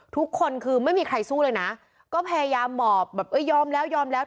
ทุกคนคือไม่มีใครสู้เลยนะก็พยายามหมอบแบบเอ้ยยอมแล้วยอมแล้ว